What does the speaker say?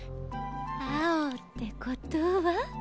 青ってことは。